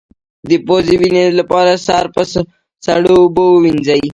د پوزې وینې لپاره سر په سړو اوبو ووینځئ